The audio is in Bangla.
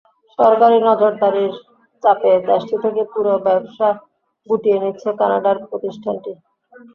সরকারি নজরদারির চাপে দেশটি থেকে পুরো ব্যবসা গুটিয়ে নিচ্ছে কানাডার প্রতিষ্ঠানটি।